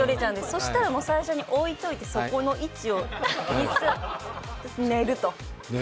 そしたらもう、最初に置いておいて、その位置を寝ると。